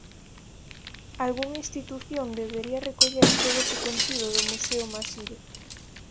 Algunha institución debería recoller todo ese contido do Museo Maside.